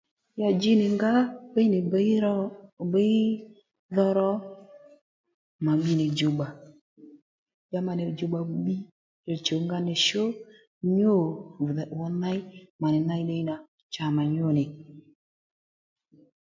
Ya dji nì ngǎ bíy ní bíy bǐy dho ro mà bbi nì djùwbbà ya mà nì djùwbbà bbǐy mà chùw nga nì shú nyû rà 'wò ney mà nì ney ddiy nà cha mà nyu nì